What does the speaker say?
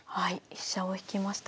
飛車を引きました。